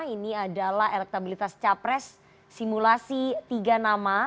ini adalah elektabilitas capres simulasi tiga nama